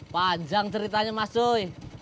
panjang ceritanya mas soi